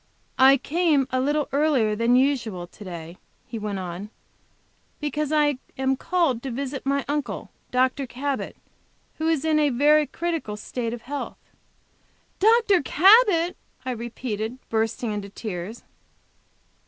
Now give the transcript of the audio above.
"I came a little earlier than usual to day," he went on, "because I am called to visit my uncle, Dr. Cabot, who is in a very critical state of health." "Dr. Cabot!" I repeated, bursting into tears.